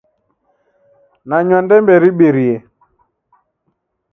Nanywa ndembe ribirie